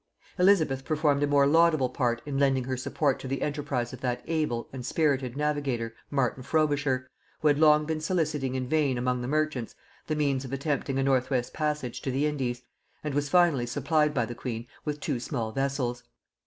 Elizabeth performed a more laudable part in lending her support to the enterprise of that able and spirited navigator Martin Frobisher, who had long been soliciting in vain among the merchants the means of attempting a northwest passage to the Indies, and was finally supplied by the queen with two small vessels.